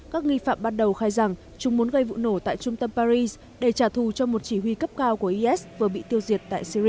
các nghi phạm ban đầu khai rằng chúng muốn gây vụ nổ tại trung tâm paris để trả thù cho một chỉ huy cấp cao của is vừa bị tiêu diệt tại syri